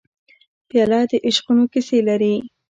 پیاله د عشقونو کیسې لري.